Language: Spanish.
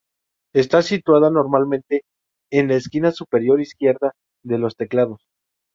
Está situada, normalmente, en la esquina superior izquierda de los teclados.